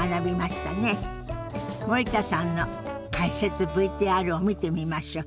森田さんの解説ＶＴＲを見てみましょう。